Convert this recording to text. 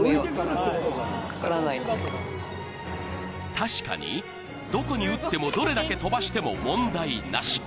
確かに、どこに打っても、どれだけ飛ばしても問題なし。